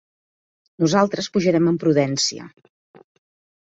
Nosaltres pujarem amb prudència.